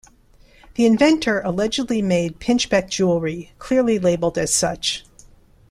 The inventor allegedly made pinchbeck jewellery clearly labelled as such.